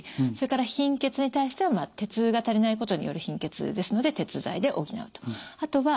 それから貧血に対しては鉄が足りないことによる貧血ですので鉄材で補うと。